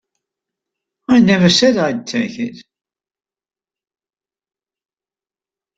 I never said I'd take it.